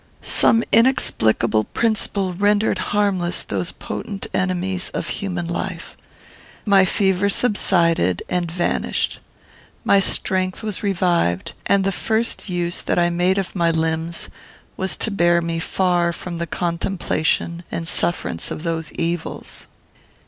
"Some inexplicable principle rendered harmless those potent enemies of human life. My fever subsided and vanished. My strength was revived, and the first use that I made of my limbs was to bear me far from the contemplation and sufferance of those evils."